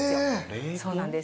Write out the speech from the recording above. そうなんです。